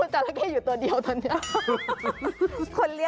จาระเข้อยู่ตัวเดียวตอนนี้